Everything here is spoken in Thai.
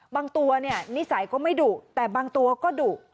ตัวเนี่ยนิสัยก็ไม่ดุแต่บางตัวก็ดุ